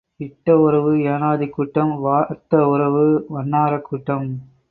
இட்ட உறவு ஏனாதிக்கூட்டம் வார்த்த உறவு வண்ணாரக் கூட்டம்.